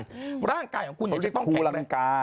ก็เรียกศุรังกาอะไรแบบเนี่ยนะฮะ